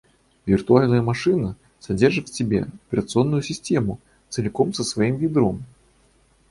Виртуальная машина содержит в себе операционную систему целиком со своим ядром